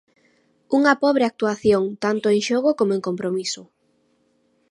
Unha pobre actuación, tanto en xogo como en compromiso.